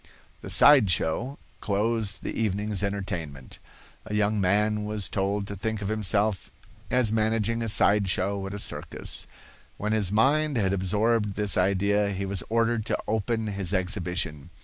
The "side show" closed the evening's entertainment. A young man was told to think of himself as managing a side show at a circus. When his mind had absorbed this idea he was ordered to open his exhibition.